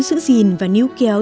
giữ gìn và níu kéo